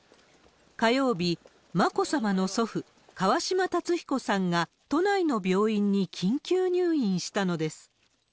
火曜日、眞子さまの祖父、川嶋辰彦さんが、都内の病院に緊急入院したのです。